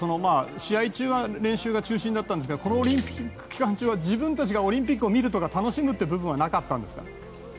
試合中は練習が中止になったんですがこのオリンピック期間中は自分たちがオリンピックを見るとか楽しむって部分はなかったんですか？